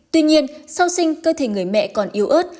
tuy nhiên sau sinh cơ thể người mẹ còn yếu ớt